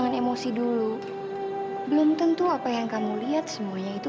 aku selalu pergi ke makam orang tua aku